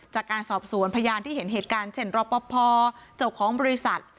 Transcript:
จากการสอบสวนพยานที่เห็นเหตุการณ์เช่นรอปภเจ้าของบริษัท